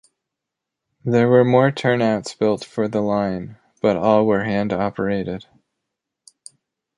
There were more turnouts built for the line but all were hand operated.